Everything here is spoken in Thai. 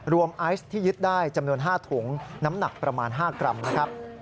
ไอซ์ที่ยึดได้จำนวน๕ถุงน้ำหนักประมาณ๕กรัมนะครับ